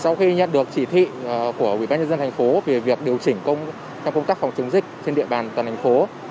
sau khi nhận được chỉ thị của bộ y tế về việc điều chỉnh công tác phòng chống dịch trên địa bàn toàn thành phố